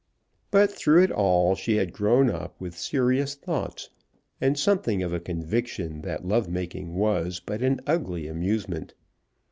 But, through it all, she had grown up with serious thoughts, and something of a conviction that love making was but an ugly amusement.